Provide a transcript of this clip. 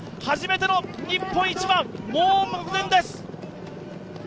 初めての日本一は、もう目前です。